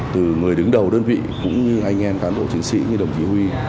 từ người đứng đầu đơn vị cũng như anh em cán bộ chiến sĩ như đồng chí huy